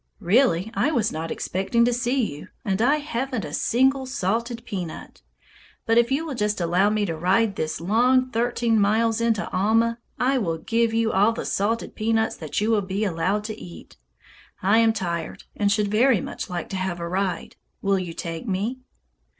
Really, I was not expecting to see you, and I haven't a single salted peanut, but if you will just allow me to ride this long thirteen miles into Alma, I will give you all the salted peanuts that you will be allowed to eat. I am tired, and should very much like to have a ride. Will you take me?"